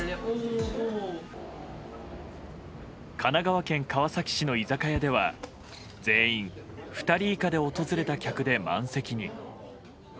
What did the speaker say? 神奈川県川崎市の居酒屋では全員２人以下で訪れた客で満席に。